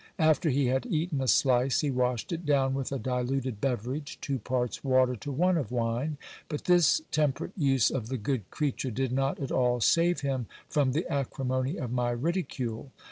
After he had eaten a slice, he washed it down with a diluted beverage, two parts water to one of wine ; but this temperate use of the good creature did not at all save him from the acrimony of my ridicule.